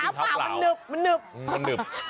ใช่เท้าเปล่ามันนึบ